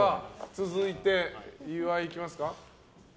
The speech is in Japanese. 続いて、岩井いきますか。